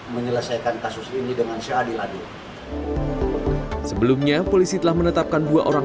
menyelesaikan kasus ini dengan seadil adil sebelumnya polisi telah menetapkan dua orang